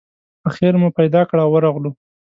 آخر مو پیدا کړ او ورغلو.